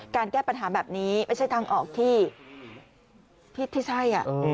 แก้ปัญหาแบบนี้ไม่ใช่ทางออกที่ใช่